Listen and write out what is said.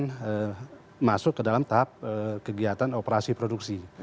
yang masuk ke dalam tahap kegiatan operasi produksi